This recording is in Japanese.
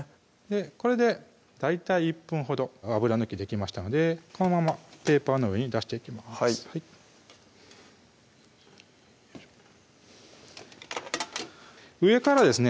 これで大体１分ほど油抜きできましたのでこのままペーパーの上に出していきます上からですね